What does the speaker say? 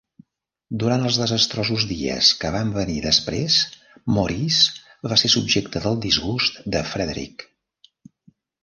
Durant els desastrosos dies que van venir després, Maurice va ser subjecte del disgust de Frederick.